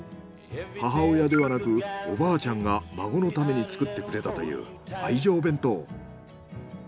母親ではなくおばあちゃんが孫のために作ってくれたという愛情弁当。